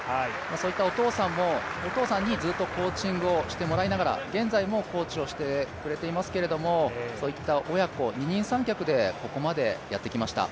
そういったお父さんにずっとコーチングをしてもらいながら現在もコーチをしてくれていますけれども、親子二人三脚でここまでやってきました。